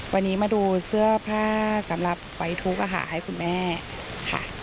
วันนี้มาดูเสื้อผ้าสำหรับไฟทุกข์ให้คุณแม่ค่ะ